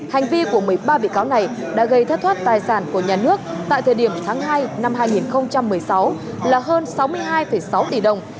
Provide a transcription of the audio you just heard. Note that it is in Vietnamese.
hành vi của một mươi ba bị cáo này đã gây thất thoát tài sản của nhà nước tại thời điểm tháng hai năm hai nghìn một mươi sáu là hơn sáu mươi hai sáu tỷ đồng